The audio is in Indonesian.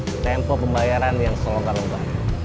saya mp membayaran yang selokar lomba